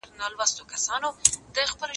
زه به اوږده موده د ليکلو تمرين کړی وم!!